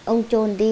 ông trồn đi